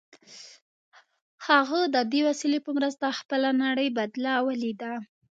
هغه د دې وسیلې په مرسته خپله نړۍ بدله ولیده